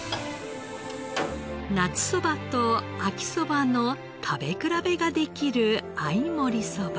夏そばと秋そばの食べ比べができる合い盛りそば。